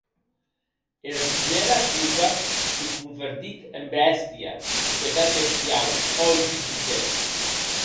Era prumèra colpa te convertic en bèstia; pecat bestiau, ò Jupiter!